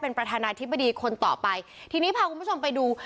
เป็นประธานาธิบดีคนต่อไปทีนี้พาคุณผู้ชมไปดู